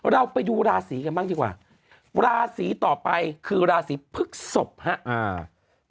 เราไปดูราศีกันบ้างดีกว่าราศีต่อไปคือราศีพฤกษบครับ